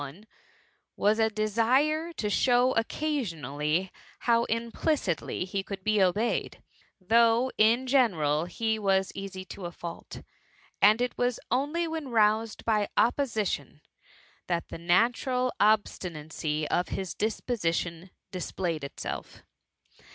one,— was a desire to show occasionally how im plicitly he could be obeyed : though, in general* he was easy to a fault, and it was only when roused by opposition, that the natural obstinacy of his disposition displayed itself.